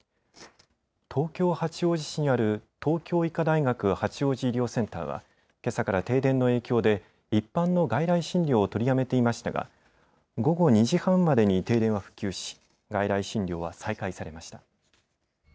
東京八王子市にある東京医科大学八王子医療センターはけさから停電の影響で一般の外来診療を取りやめていましたが午後２時半までに停電は復旧し、外来診療は再開されました。